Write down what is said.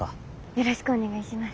よろしくお願いします。